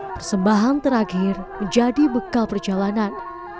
persembahan terakhir menjadi bekal perjalanan